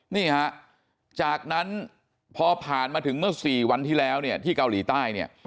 นี่ฮะจากนั้นพอผ่านมาถึงเมื่อ๔วันที่แล้วเนี่ยที่เกาหลีใต้เนี่ย